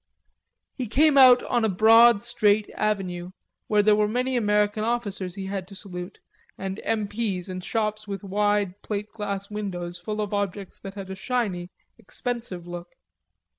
He came out on a broad straight avenue, where there were many American officers he had to salute, and M. P.'s and shops with wide plate glass windows, full of objects that had a shiny, expensive look.